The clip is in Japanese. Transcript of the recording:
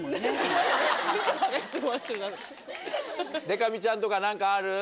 でか美ちゃんとか何かある？